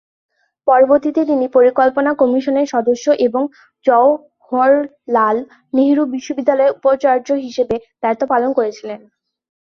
পরবর্তীতে তিনি পরিকল্পনা কমিশনের সদস্য এবং জওহরলাল নেহেরু বিশ্ববিদ্যালয়ের উপাচার্য হিসাবেও দায়িত্ব পালন করেছিলেন।